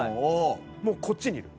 もうこっちにいる。